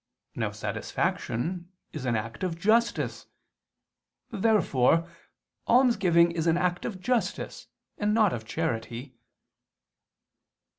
Now satisfaction is an act of justice. Therefore almsgiving is an act of justice and not of charity.